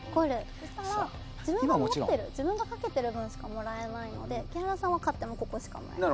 そうしたら自分が賭けている分しかもらえないので木原さんは勝ってもここしかもらえないと。